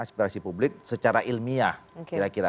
aspirasi publik secara ilmiah kira kira